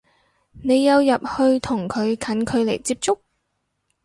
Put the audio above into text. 你有入去同佢近距離接觸？